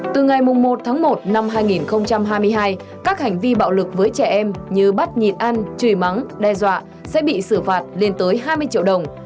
từ ngày một tháng một năm hai nghìn hai mươi hai các hành vi bạo lực với trẻ em như bắt nhịp ăn chửi mắng đe dọa sẽ bị xử phạt lên tới hai mươi triệu đồng